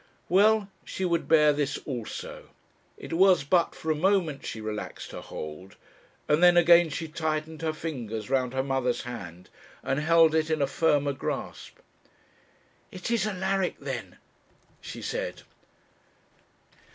Well; she would bear this also. It was but for a moment she relaxed her hold; and then again she tightened her fingers round her mother's hand, and held it in a firmer grasp. 'It is Alaric, then?' she said.